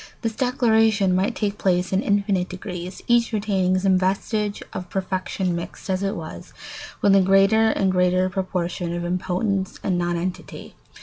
This declension might take place in infinite degrees, each retaining some vestige of perfection mixed, as it were, with a greater and greater proportion of impotence and nonentity.